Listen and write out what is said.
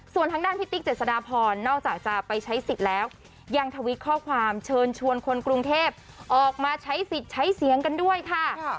ส่วนทางด้านพี่ติ๊กเจษฎาพรนอกจากจะไปใช้สิทธิ์แล้วยังทวิตข้อความเชิญชวนคนกรุงเทพออกมาใช้สิทธิ์ใช้เสียงกันด้วยค่ะ